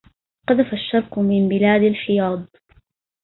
قذف الشرق من بلاد الحياض